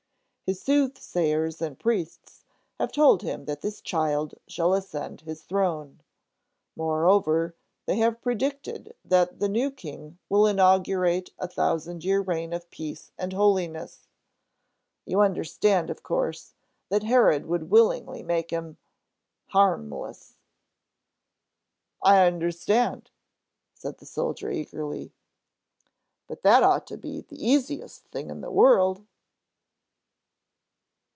His soothsayers and priests have told him that this child shall ascend his throne. Moreover, they have predicted that the new King will inaugurate a thousand year reign of peace and holiness. You understand, of course, that Herod would willingly make him—Harmless!" "I understand!" said the soldier eagerly. "But that ought to be the easiest thing in the world."